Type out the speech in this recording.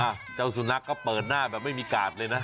เจ้าสุนัขก็เปิดหน้าแบบไม่มีกาดเลยนะ